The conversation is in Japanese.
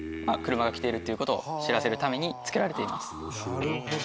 「なるほど」